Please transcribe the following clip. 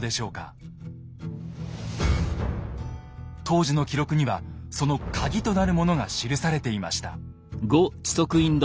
当時の記録にはそのカギとなるものが記されていました。